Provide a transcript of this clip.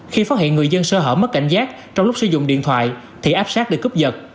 khi phát hiện người dân sơ hở mất cảnh giác trong lúc sử dụng điện thoại thì áp sát để cướp giật